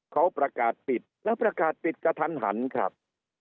เขาประกาศปิดแล้วประกาศปิดกระทันหันครับ